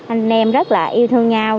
anh em rất là yêu thương nhau